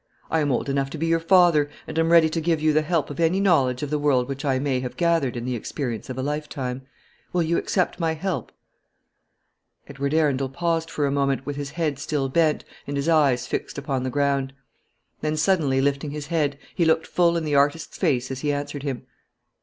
I am old enough to be your father, and am ready to give you the help of any knowledge of the world which I may have gathered in the experience of a lifetime. Will you accept my help?" Edward Arundel paused for a moment, with his head still bent, and his eyes fixed upon the ground. Then suddenly lifting his head, he looked full in the artist's face as he answered him.